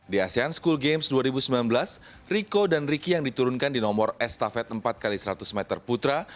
di asean school games dua ribu sembilan belas rico dan ricky yang diturunkan di nomor estafet empat x seratus meter putra